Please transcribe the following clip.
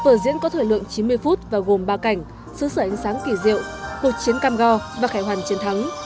vở diễn có thời lượng chín mươi phút và gồm ba cảnh xứ sở ánh sáng kỳ diệu cuộc chiến cam go và khải hoàn chiến thắng